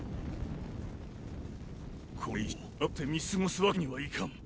これ以上黙って見過ごすわけにはいかん。